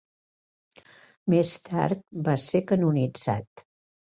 Més tard va ser canonitzat.